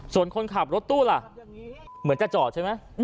ส่วนคนขับรถตู้ล่ะเหมือนจะจอดใช่ไหม